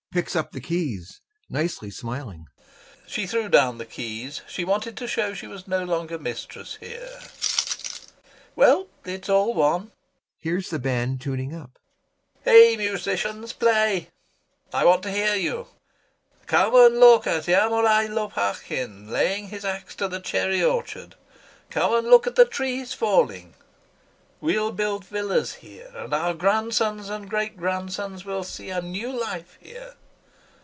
[Picks up the keys, nicely smiling] She threw down the keys, she wanted to show she was no longer mistress here.... [Jingles keys] Well, it's all one! [Hears the band tuning up] Eh, musicians, play, I want to hear you! Come and look at Ermolai Lopakhin laying his axe to the cherry orchard, come and look at the trees falling! We'll build villas here, and our grandsons and great grandsons will see a new life here....